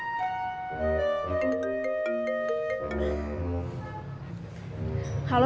kamu bisa tanya dulu